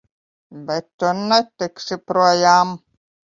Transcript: Bet tu netiksi projām!